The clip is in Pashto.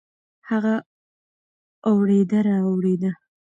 هغه اوړېده رااوړېده.